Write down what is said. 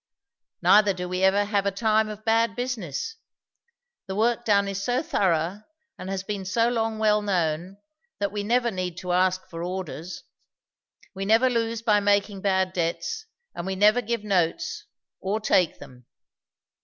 Neither do we ever have a time of bad business. The work done is so thorough and has been so long well known, that we never need to ask for orders. We never lose by making bad debts; and we never give notes, or take them.